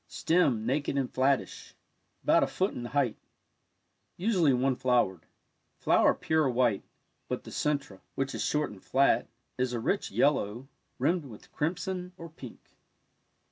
— Stem naked and flattish — about a foot in height — usually one flowered. Flower pure white, but the cen tre, which is short and flat, is a rich yellow, rimmed with crimson or pink.